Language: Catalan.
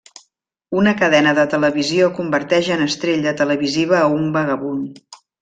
Una cadena de televisió converteix en estrella televisiva a un vagabund.